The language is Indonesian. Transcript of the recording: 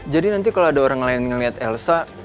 jadi nanti kalo ada orang lain ngeliat elsa